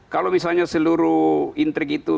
kalau misalnya seluruh intrik itu